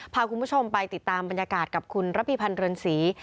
พาคุณผู้ชมไปติดตามบรรยากาศกับคุณระพิพันธ์เรือนศรี